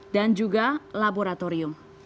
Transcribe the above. dan juga laboratorium